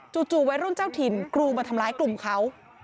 จู่วัยรุ่นเจ้าถิ่นกรูมาทำร้ายกลุ่มเขา